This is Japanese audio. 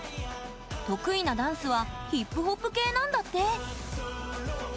得意なダンスはヒップホップ系なんだって。